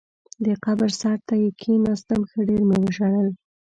د قبر سر ته یې کېناستم، ښه ډېر مې وژړل.